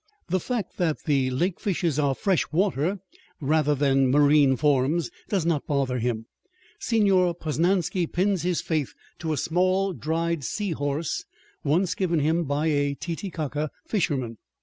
The fact that the lake fishes are fresh water, rather than marine, forms does not bother him. Señor Posnansky pins his faith to a small dried seahorse once given him by a Titicaca fisherman.